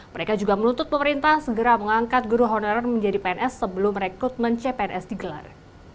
mereka juga menuntut pemerintah segera mengangkat guru honorer menjadi pns sebelum rekrutmen cpns digelar